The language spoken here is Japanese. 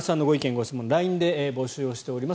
・ご質問ラインで募集をしております。